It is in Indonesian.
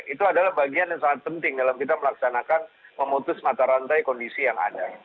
itu adalah bagian yang sangat penting dalam kita melaksanakan memutus mata rantai kondisi yang ada